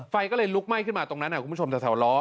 ไฟก็เลยลุกไหม้ขึ้นมาตรงนั้นคุณผู้ชมแถวล้อ